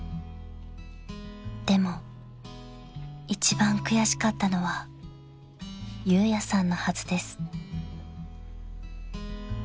［でも一番悔しかったのは裕也さんのはずです］